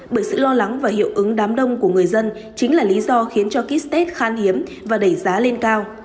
bởi sự lo lắng và hiệu ứng đám đông của người dân chính là lý do khiến cho kites khan hiếm và đẩy giá lên cao